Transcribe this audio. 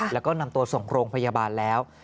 แล้วก็นำตัวส่งโรงพยาบาลแล้ว